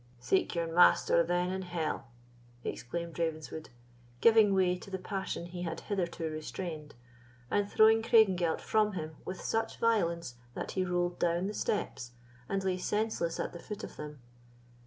"Seek your master, then, in hell!" exclaimed Ravenswood, giving way to the passion he had hitherto restrained, and throwing Craigengelt from him with such violence that he rolled down the steps and lay senseless at the foot of them.